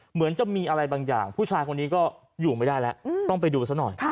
เหมือนจะมีอะไรบางอย่างผู้ชายคนนี้ก็อยู่ไม่ได้แล้วต้องไปดูซะหน่อย